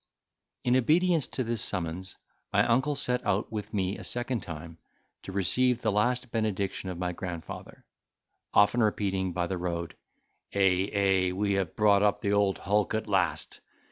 In obedience to this summons, my uncle set out with me a second time, to receive the last benediction of my grandfather: often repeating by the road, "Ey, ey, we have brought up the old hulk at last.